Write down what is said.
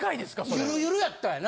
ゆるゆるやったんやな。